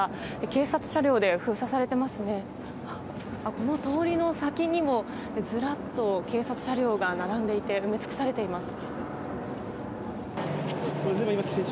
この通りの先にもずらっと警察車両が並んでいて埋め尽くされています。